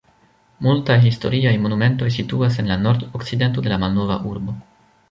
Multaj historiaj monumentoj situas en la nordokcidento de la malnova urbo.